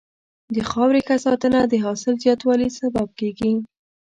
د خاورې ښه ساتنه د حاصل زیاتوالي سبب کېږي.